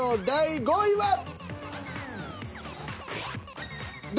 第４位は！